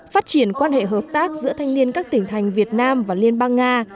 phát triển quan hệ hợp tác giữa thanh niên các tỉnh thành việt nam và liên bang nga